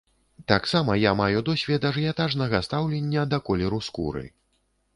Таксама я маю досвед ажыятажнага стаўлення да колеру скуры.